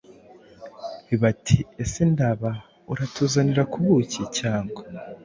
bati :”ese Ndaba uratuzanira ku buki cyangwa”?